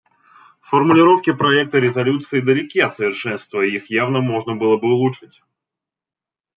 Формулировки проекта резолюции далеки от совершенства, и их явно можно было бы улучшить.